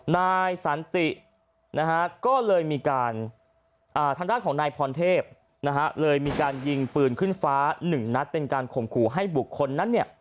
นายสันตินะฮะก็เลยมีการทางด้านของนายพรเทพนะฮะเลยมีการยิงปืนขึ้นฟ้าหนึ่งนัดเป็นการข่มขู่ให้บุคคลนั้นเนี่ย